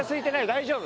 大丈夫？